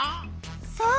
そう！